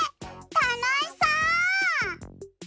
たのしそう！